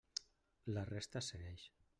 La resta segueix.